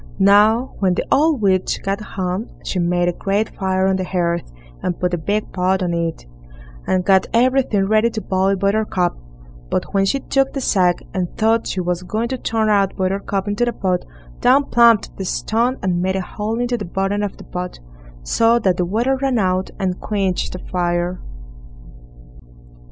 Now, when the old witch got home, she made a great fire on the hearth, and put a big pot on it, and got everything ready to boil Buttercup; but when she took the sack, and thought she was going to turn out Buttercup into the pot, down plumped the stone and made a hole in the bottom of the pot, so that the water ran out and quenched the fire.